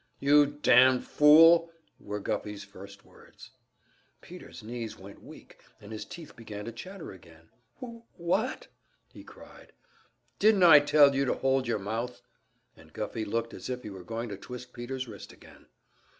"You damned fool!" were Guffey's first words. Peter's knees went weak and his teeth began to chatter again. "Wh wh what?" he cried. "Didn't I tell you to hold your mouth?" And Guffey looked as if he were going to twist Peter's wrist again.